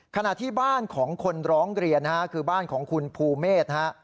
ขณะที่บ้านของคนร้องเรียนนะฮะคือบ้านของคุณภูเมฆนะฮะ